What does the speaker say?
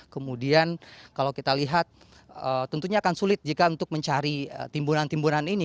kemudian kalau kita lihat tentunya akan sulit jika untuk mencari timbunan timbunan ini